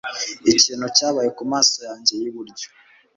Ikintu cyabaye kumaso yanjye yiburyo.